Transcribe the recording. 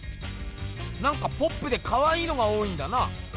なんかポップでかわいいのが多いんだな。